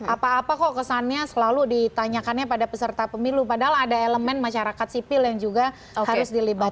apa apa kok kesannya selalu ditanyakannya pada peserta pemilu padahal ada elemen masyarakat sipil yang juga harus dilibatkan